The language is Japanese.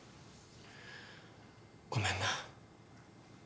ごめんな。